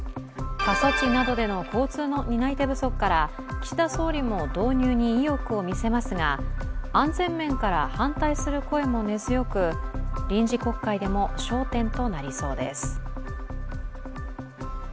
過疎地などでの交通の担い手不足から岸田総理も導入に意欲を見せますが、安全面から反対する声も根強く臨時国会でも焦点となりそうです。